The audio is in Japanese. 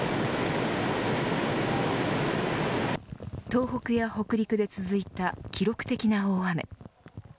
東北や北陸で続いた記録的な大雨。